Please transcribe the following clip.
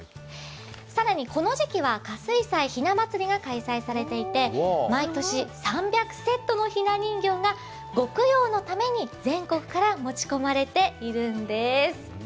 更にこの時期は可睡斎ひなまつりが開催されていて、毎年３００セットのひな人形がご供養のために全国から持ち込まれているんです。